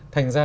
thành ra là